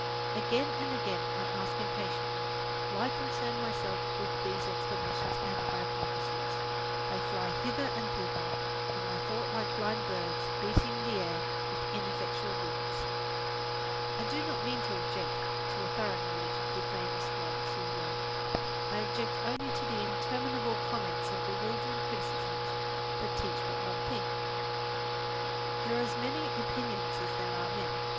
Again and again I ask impatiently, "Why concern myself with these explanations and hypotheses?" They fly hither and thither in my thought like blind birds beating the air with ineffectual wings. I do not mean to object to a thorough knowledge of the famous works we read. I object only to the interminable comments and bewildering criticisms that teach but one thing: there are as many opinions as there are men.